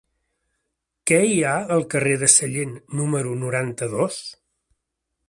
Què hi ha al carrer de Sallent número noranta-dos?